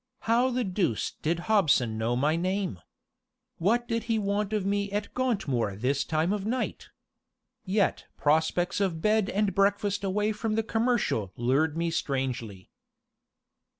How the deuce did Hobson know my name? What did he want of me at Gauntmoor this time of night? Yet prospects of bed and breakfast away from the Commercial lured me strangely.